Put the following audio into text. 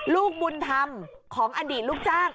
ลูกมุณธรรมของอดีตฤากษ์จ้าง